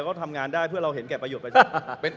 ก็ทำงานได้เพื่อเราเห็นแก่ประโยชนประชาชน